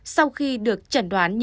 sau khi được chuẩn đoán